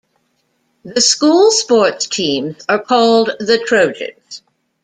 The school sports teams are called the Trojans.